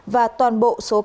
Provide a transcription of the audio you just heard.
và toàn bộ số cát